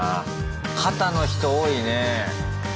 肩の人多いね。